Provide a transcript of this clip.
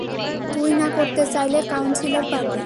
তুই না করতে চাইলে, কাউন্সিলার পারবে।